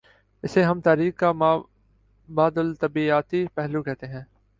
اسے ہم تاریخ کا ما بعد الطبیعیاتی پہلو کہتے ہیں۔